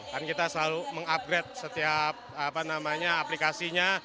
kan kita selalu mengupgrade setiap aplikasinya